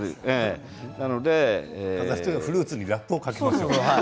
飾るならフルーツにラップをかけましょう。